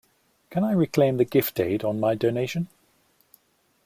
Can I reclaim the gift aid on my donation?